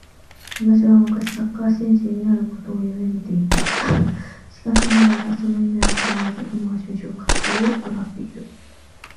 私は昔サッカー選手になることを夢見ていた。しかしながらその夢は叶わず、今は就職活動を行っている